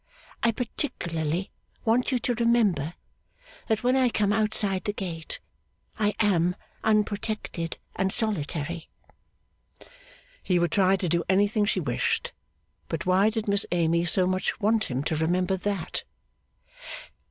I particularly want you to remember, that when I come outside the gate, I am unprotected and solitary.' He would try to do anything she wished. But why did Miss Amy so much want him to remember that?